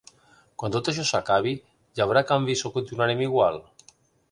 Quan tot això s’acabi, hi haurà canvis o continuarem igual?